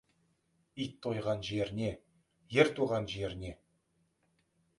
Ит тойған жеріне, ер туған жеріне.